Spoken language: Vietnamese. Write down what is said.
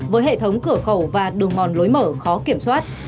với hệ thống cửa khẩu và đường mòn lối mở khó kiểm soát